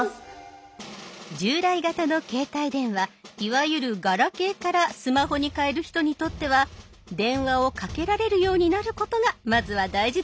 従来型の携帯電話いわゆるガラケーからスマホに替える人にとっては電話をかけられるようになることがまずは大事ですよね。